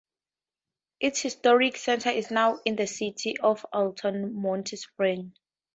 Its historic center is now in the City of Altamonte Springs.